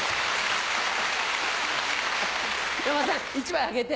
山田さん１枚あげて。